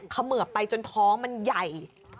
เขมือบไปจนท้องมันใหญ่